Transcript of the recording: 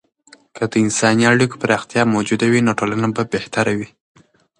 که د انساني اړیکو پراختیا موجوده وي، نو ټولنه به بهتره وي.